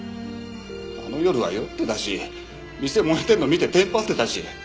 あの夜は酔ってたし店燃えてるの見てテンパってたし。